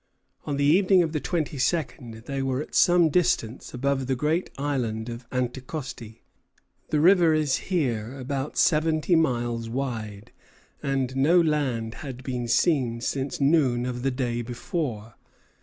On the evening of the twenty second they were at some distance above the great Island of Anticosti. The river is here about seventy miles wide, and no land had been seen since noon of the day before.